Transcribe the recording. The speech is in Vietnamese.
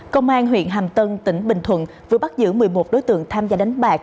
công an huyện hàm tân tỉnh bình thuận vừa bắt giữ một mươi một đối tượng tham gia đánh bạc